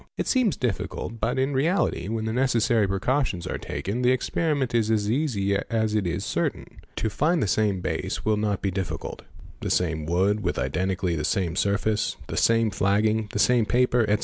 It _ seems difficult but in reality, when the necessary precautions are taken, J. eee eer _ the experiment is as easy as it is certain. 'To ftnd the same base will not be difficult; the same wood with identically the same surface, the same flagging, the same paper, etc.